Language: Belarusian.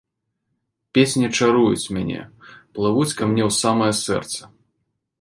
Песні чаруюць мяне, плывуць ка мне ў самае сэрца.